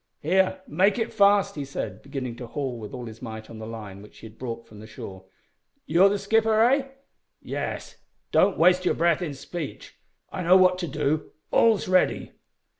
"Here, make it fast," he said, beginning to haul with all his might on the line which he had brought from shore. "You're the skipper eh?" "Yes. Don't waste your breath in speech. I know what to do. All's ready."